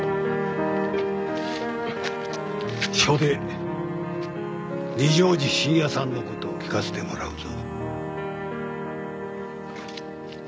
署で二条路信也さんのこと聞かせてもらうぞ。